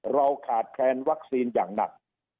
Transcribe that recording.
เราขาดแคลนวัคซีนอย่างหนัก